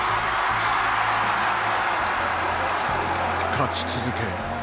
勝ち続け